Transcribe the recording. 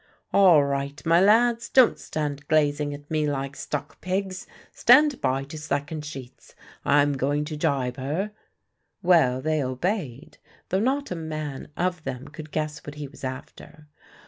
"All right, my lads. Don't stand glazing at me like stuck pigs. Stand by to slacken sheets. I'm going to gybe her." Well, they obeyed, though not a man of them could guess what he was after.